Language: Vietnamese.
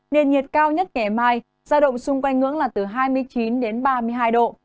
nền nhiệt cao nhất ngày mai giao động xung quanh ngưỡng là từ hai mươi chín đến ba mươi hai độ